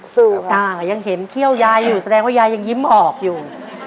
ยังเห็นเขี้ยวยายอยู่แสดงว่ายายยังยิ้มออกอยู่